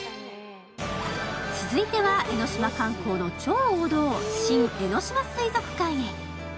続いては江の島観光の超王道新江ノ島水族館へ。